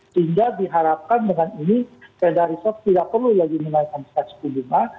sehingga diharapkan dengan ini fedarusof tidak perlu lagi menaikkan seks ku bunga